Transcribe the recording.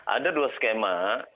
ada dua skema